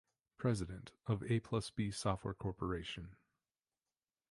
President of AplusB Software Corporation.